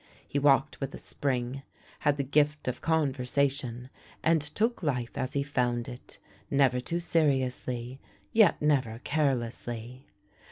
He walked with a spring, had the gift of conversation, and took life as he found it : never too seriously, yet never carelessly.